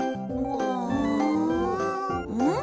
うん？